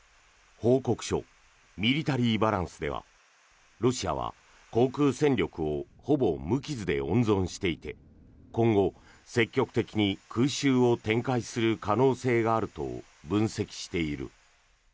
報告書「ミリタリーバランス」ではロシアは航空戦力をほぼ無傷で温存していて今後、積極的に空襲を展開する可能性があると分析している。